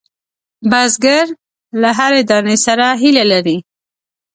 بزګر له هرې دانې سره هیله لري